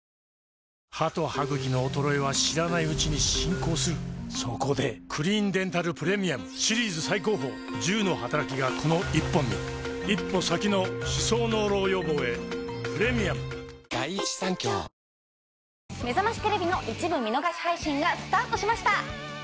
歯と歯ぐきの衰えは知らないうちに進行するそこで「クリーンデンタルプレミアム」シリーズ最高峰１０のはたらきがこの１本に一歩先の歯槽膿漏予防へプレミアム人生これから！背筋をピーンとのばして。